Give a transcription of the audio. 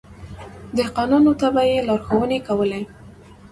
دهقانانو ته به يې لارښونې کولې.